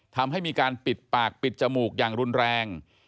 ทำให้มีการปิดปากปิดจมูกอย่างรุนแรง